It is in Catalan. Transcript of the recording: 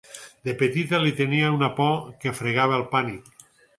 De petita li tenia una por que fregava el pànic.